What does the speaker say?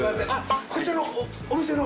こちらのお店の？